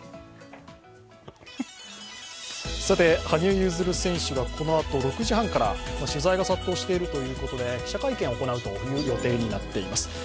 羽生結弦選手がこのあと６時半から、取材が殺到しているということで記者会見を行う予定になっております。